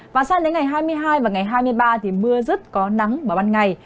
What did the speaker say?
và sang đến ngày hai mươi hai và ngày hai mươi ba thì mưa rất có nắng vào ban ngày